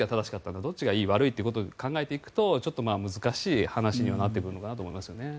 どっちがいい、悪いということを考えていくとちょっと難しい話にはなってくるのかなと思いますよね。